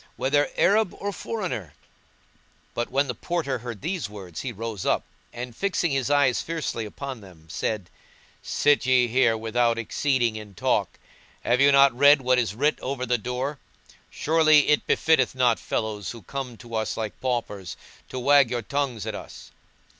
whether Arab or foreigner."[FN#169] But when the Porter heard these words, he rose up, and fixing his eyes fiercely upon them, said, "Sit ye here without exceeding in talk! Have you not read what is writ over the door? surely it befitteth not fellows who come to us like paupers to wag your tongues at us."